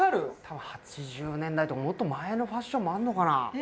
たぶん８０年代とかもっと前のファッションもあるのかな？